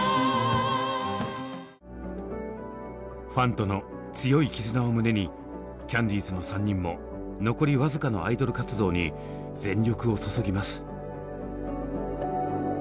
ファンとの強い絆を胸にキャンディーズの３人も残りわずかのアイドル活動に全力を注ぎます。